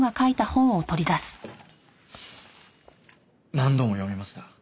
何度も読みました。